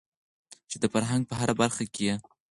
چې د فرهنګ په هره برخه کې يې